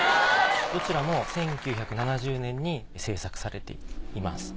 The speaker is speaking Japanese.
どちらも１９７０年に制作されています。